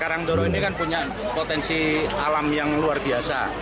karangdoro ini kan punya potensi alam yang luar biasa